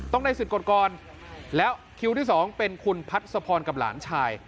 ได้สิทธิ์กฎก่อนแล้วคิวที่สองเป็นคุณพัศพรกับหลานชาย